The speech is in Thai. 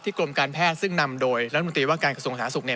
กรมการแพทย์ซึ่งนำโดยรัฐมนตรีว่าการกระทรวงสาธารสุขเนี่ย